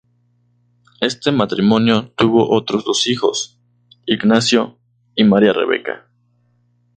Este matrimonio tuvo otros dos hijos: Ignacio y María Rebeca.